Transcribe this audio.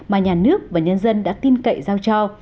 mà nhà nước và nhân dân đã tin cậy giao cho